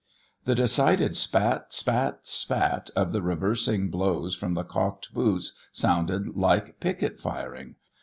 The decided spat, spat, spat of the reversing blows from the caulked boots sounded like picket firing.